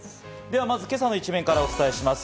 今朝の一面からお伝えします。